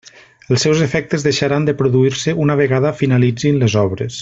Els seus efectes deixaran de produir-se una vegada finalitzin les obres.